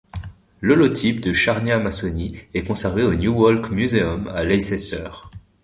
L'holotype de Charnia masoni est conservé au New Walk Museum à Leicester.